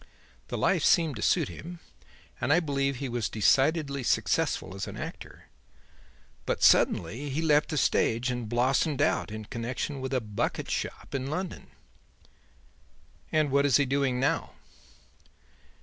The life seemed to suit him and I believe he was decidedly successful as an actor. But suddenly he left the stage and blossomed out in connection with a bucket shop in London." "And what is he doing now?"